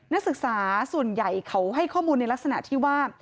นักศึกษาส่วนใหญ่เขาให้ข้อมูลในลักษณะที่ว่า